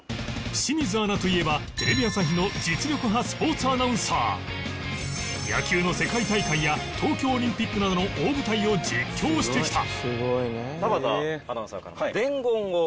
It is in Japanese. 清水アナといえばテレビ朝日の野球の世界大会や東京オリンピックなどの大舞台を実況してきた